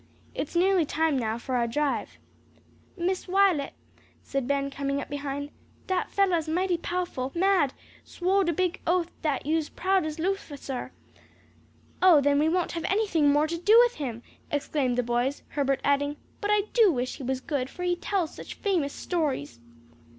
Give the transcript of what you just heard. It's nearly time now for our drive." "Miss Wi'let," said Ben, coming up behind, "dat fellah's mighty pow'ful mad; swored a big oath dat you's proud as Luficer." "Oh, then we won't have anything more to do with him!" exclaimed the boys, Herbert adding, "but I do wish he was good, for he does tell such famous stories."